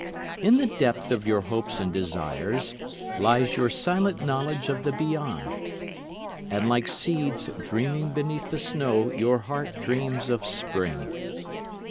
In the depth of your hopes and desires lies your silent knowledge of the beyond; And like seeds dreaming beneath the snow your heart dreams of spring.